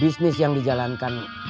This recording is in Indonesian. bisnis yang dijalankan kang bahar